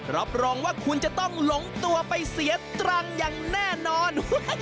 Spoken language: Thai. รับรองว่าคุณจะต้องหลงตัวไปเสียตรังอย่างแน่นอน